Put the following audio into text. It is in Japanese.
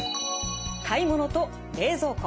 買い物と冷蔵庫。